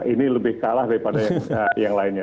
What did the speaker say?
ini lebih kalah daripada yang lainnya